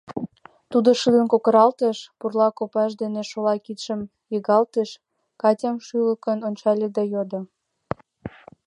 Тудо шыдын кокыралтыш, пурла копаж дене шола кидшым йыгалтыш, Катям шӱлыкын ончале да йодо: